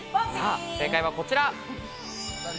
正解はこちら。